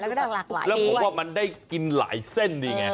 แล้วก็หลากหลายแล้วผมว่ามันได้กินหลายเส้นนี่ไง